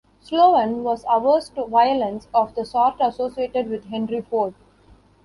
Sloan was averse to violence of the sort associated with Henry Ford.